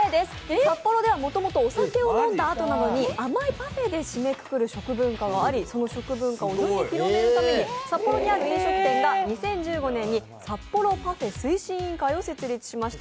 札幌では、もともとお酒を飲んだ後なのに甘いパフェで締めくくる食文化がありその食文化を世に広めるために札幌にあるラーメン店が２０１５年に札幌パフェ推進委員会を設置しました。